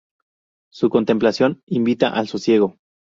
Su contemplación invita al sosiego.